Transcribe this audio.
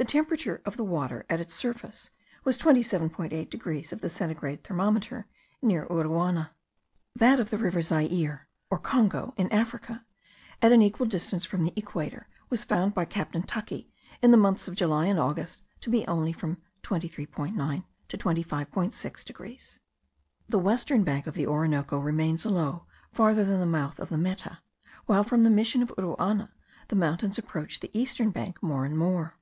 The temperature of the water at its surface was 27.8 degrees of the centigrade thermometer, near Uruana. That of the river Zaire, or Congo, in Africa, at an equal distance from the equator, was found by Captain Tuckey, in the months of July and August, to be only from 23.9 to 25.6 degrees. The western bank of the Orinoco remains low farther than the mouth of the Meta; while from the Mission of Uruana the mountains approach the eastern bank more and more.